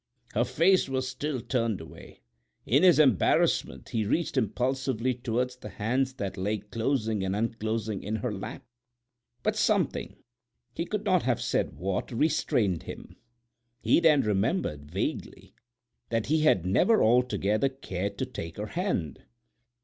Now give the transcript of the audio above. Her face was still turned away. In his embarrassment he reached impulsively toward the hands that lay closing and unclosing in her lap, but something—he could not have said what—restrained him. He then remembered, vaguely, that he had never altogether cared to take her hand.